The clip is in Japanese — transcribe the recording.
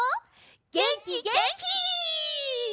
げんきげんき！